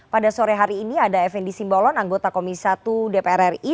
pada sore hari ini ada effendi simbolon anggota komisi satu dpr ri